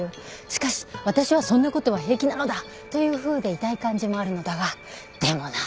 しかし私はそんなことは平気なのだというふうでいたい感じもあるのだがでもなぁという。